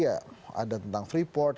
ada tentang freeport